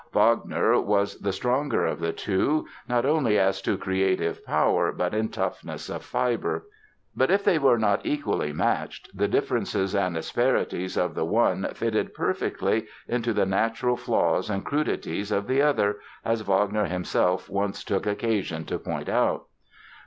Wagner was the stronger of the two, not only as to creative power but in toughness of fibre. But if they were not equally matched, the differences and asperities of the one fitted perfectly into the natural flaws and crudities of the other, as Wagner himself once took occasion to point out.